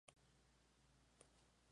El pico de ambos es negro.